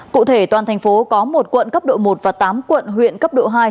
cụ thể toàn tp có một quận cấp độ một và tám quận huyện cấp độ hai